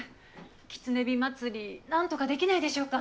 きつね火まつり何とかできないでしょうか？